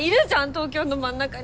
東京の真ん中に！